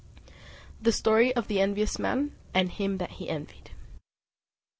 The Story of the Envious Man, and of him that he Envied.